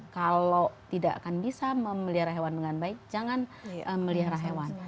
kalau tidak akan bisa memelihara hewan dengan baik jangan melihara hewan